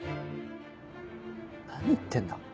何言ってんだ？